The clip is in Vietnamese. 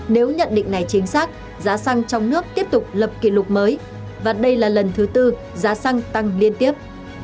nếu nhận định này chính xác giá xăng trong nước tiếp tục lập kỷ lục mới và đây là lần thứ tư giá xăng tăng liên tiếp